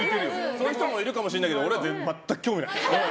そういう人もいるかもだけど俺は全く興味ない。